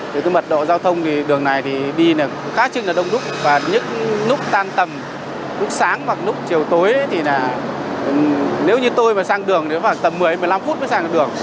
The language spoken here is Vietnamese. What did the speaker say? từ mật độ giao thông thì đường này đi khá chừng là đông đúc và những nút tan tầm nút sáng hoặc nút chiều tối thì nếu như tôi mà sang đường thì khoảng tầm một mươi một mươi năm phút mới sang đường